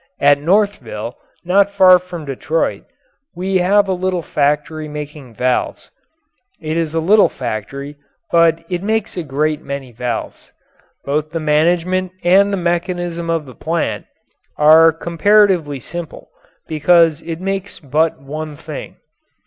At Northville, not far from Detroit, we have a little factory making valves. It is a little factory, but it makes a great many valves. Both the management and the mechanism of the plant are comparatively simple because it makes but one thing.